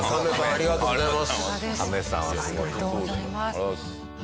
ありがとうございます。